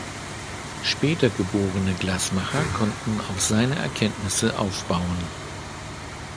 Später geborene Glasmacher konnten auf seine Erkenntnisse aufbauen.